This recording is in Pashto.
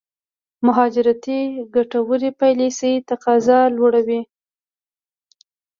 مهاجرتي ګټورې پالېسۍ تقاضا لوړوي.